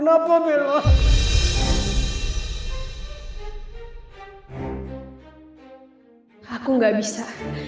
aku tidak bisa